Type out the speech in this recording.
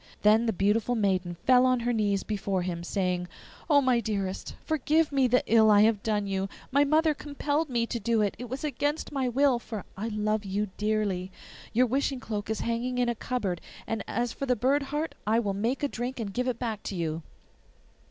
Then the beautiful maiden fell on her knees before him, saying, 'Oh, my dearest, forgive me the ill I have done you! My mother compelled me to do it; it was against my will, for I love you dearly. Your wishing cloak is hanging in a cupboard, and as for the bird heart I will make a drink and give it back to you.